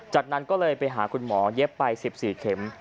จากนั้นก็เลยไปหาคุณหมอเย็บไป๑๔เข็ม